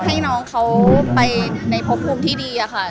ให้น้องเขาไปในพบภูมิที่ดีอะค่ะ